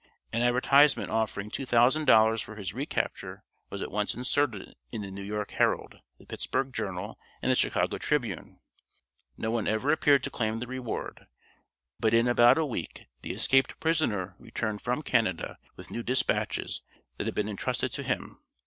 An advertisement offering two thousand dollars for his recapture was at once inserted in the New York Herald, the Pittsburgh Journal, and the Chicago Tribune. No one ever appeared to claim the reward, but in about a week the escaped prisoner returned from Canada with new dispatches that had been entrusted to him.